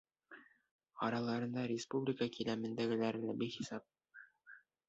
Араларында республика кимәлендәгеләре лә бихисап.